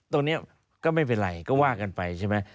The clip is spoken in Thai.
ตรงนี้ก็ไม่เป็นไรก็ว่ากันไปใช่ไหม